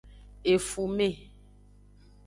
Efume.